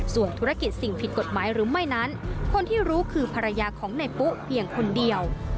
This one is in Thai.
ส่วนธุรกิจสิ่งผิดกฎหมายหรือไม่นั้นคนที่รู้คือภรรยาของนายปุ๊เพียงคนเดียว